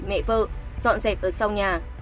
mẹ vợ dọn dẹp ở sau nhà